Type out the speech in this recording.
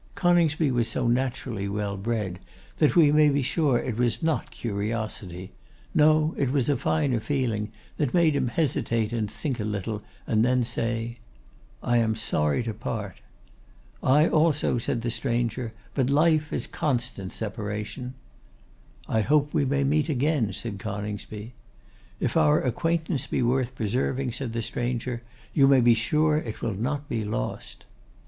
Coningsby was so naturally well bred, that we may be sure it was not curiosity; no, it was a finer feeling that made him hesitate and think a little, and then say: 'I am sorry to part.' 'I also,' said the stranger. 'But life is constant separation.' 'I hope we may meet again,' said Coningsby. 'If our acquaintance be worth preserving,' said the stranger, 'you may be sure it will not be lost.